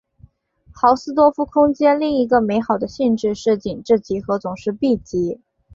豪斯多夫空间另一个美好的性质是紧致集合总是闭集。